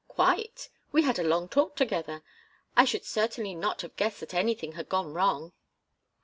"Quite. We had a long talk together. I should certainly not have guessed that anything had gone wrong."